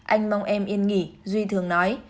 anh mong em yên nghỉ duy thường nói